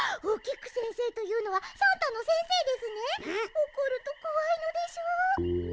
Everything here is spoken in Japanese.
おこるとこわいのでしょう？